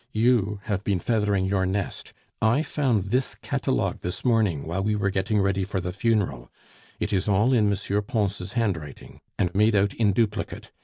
You have been feathering your nest.... I found this catalogue this morning while we were getting ready for the funeral; it is all in M. Pons' handwriting, and made out in duplicate.